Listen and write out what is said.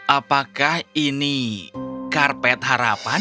apakah ini karpet harapan